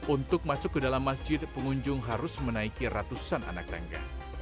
untuk masuk ke dalam masjid pengunjung harus menaiki ratusan anak tangga